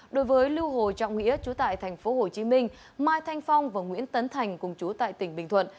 đối với lưu hồ trọng nghĩa chú tại tp hcm mai thanh phong và nguyễn tấn thành cùng chú tại tỉnh bình thuận